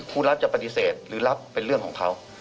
ผู้รับจะปฏิเสธหรือรับเป็นเรื่องของเขา